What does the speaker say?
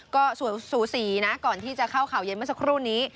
ก็สูสีนะก่อนที่จะเข้าข่าวเย็นเมื่อสักครู่นี้